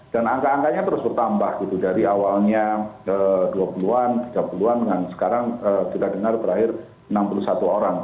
dan angka angkanya terus bertambah dari awalnya dua puluh an tiga puluh an sekarang kita dengar berakhir enam puluh satu orang